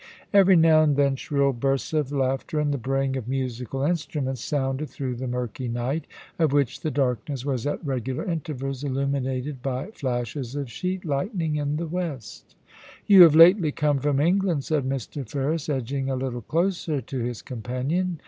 Every now and then shrill bursts of laughter, and the braying of musical instruments, sounded through the murky night, of which the darkness was at regular intervals illuminated by flashes of sheet lightning in the west * You have lately come from England,' said Mr. Ferris, edging a little closer to his companion.